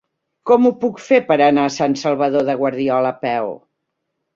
Com ho puc fer per anar a Sant Salvador de Guardiola a peu?